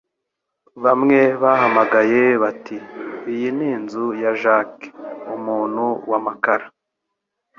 bamwe bahamagaye bati: "Iyi ni inzu ya Jack, umuntu w'amakara?"